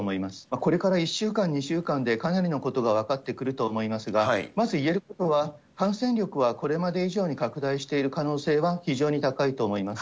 これから１週間、２週間でかなりのことが分かってくると思いますが、まず言えることは、感染力はこれまで以上に拡大している可能性は非常に高いと思います。